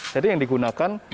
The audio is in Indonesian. jadi yang digunakan